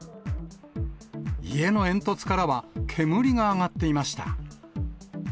家の煙突からは、煙が上がっていました。